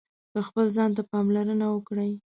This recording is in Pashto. که خپل ځان ته پاملرنه وکړئ